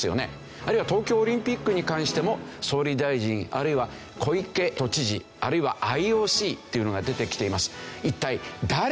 あるいは東京オリンピックに関しても総理大臣あるいは小池都知事あるいはＩＯＣっていうのが出てきています。